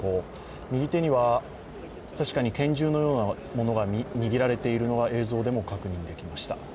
右手には確かに拳銃のようなものが握られているのが、映像でも確認できました。